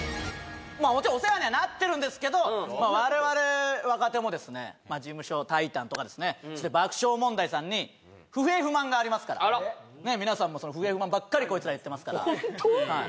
もちろんお世話にはなってるんですけど我々若手もですね事務所タイタンとかですね爆笑問題さんに不平・不満がありますから皆さんも不平・不満ばっかりこいつら言ってますからホント？